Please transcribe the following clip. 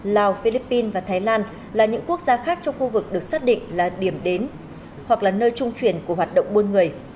lào philippines và thái lan là những quốc gia khác trong khu vực được xác định là điểm đến hoặc là nơi trung truyền của hoạt động buôn người